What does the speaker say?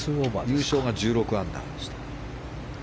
優勝は１６アンダーでした。